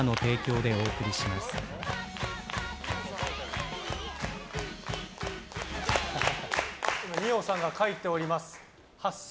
誕生二葉さんが書いております